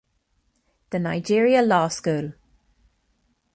The Nigeria Law School.